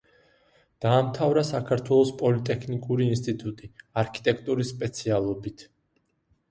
დაამთავრა საქართველოს პოლიტექნიკური ინსტიტუტი, არქიტექტორის სპეციალობით.